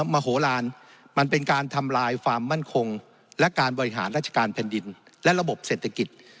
มโหลานมันเป็นการทำลายความมั่นคงและการบริหารราชการแผ่นดินและระบบเศรษฐกิจ